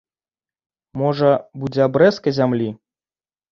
Можа, будзе абрэзка зямлі?